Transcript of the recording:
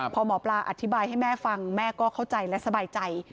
พอหมอปลาอธิบายให้แม่ฟังแม่ก็เข้าใจและสบายใจ